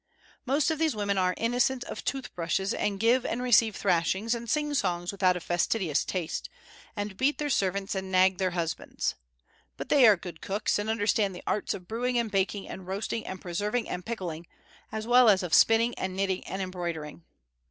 Most of these women are innocent of toothbrushes, and give and receive thrashings, and sing songs without a fastidious taste, and beat their servants and nag their husbands. But they are good cooks, and understand the arts of brewing and baking and roasting and preserving and pickling, as well as of spinning and knitting and embroidering.